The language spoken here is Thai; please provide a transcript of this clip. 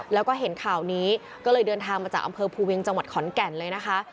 แล้วก็เห็นข่าวนี้ก็เลยเดินทางมาจากอำเภอภูเวียงจังหวัดขอนแก่นเลยนะคะ